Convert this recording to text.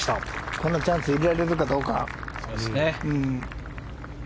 このチャンスに入れられるかどうか。